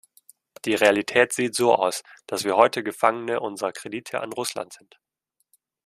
Die Realität sieht so aus, dass wir heute Gefangene unserer Kredite an Russland sind.